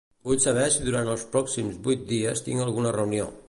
Vull saber si durant els pròxims vuit dies tinc alguna reunió.